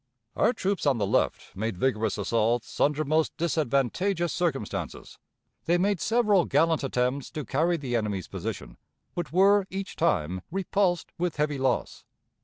Our troops on the left made vigorous assaults under most disadvantageous circumstances. They made several gallant attempts to carry the enemy's position, but were each time repulsed with heavy loss.